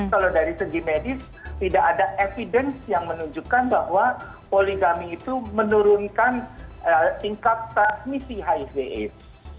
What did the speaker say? kalau dari segi medis tidak ada evidence yang menunjukkan bahwa poligami itu menurunkan tingkat transmisi hiv aids